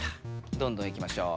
どんどんいきましょう。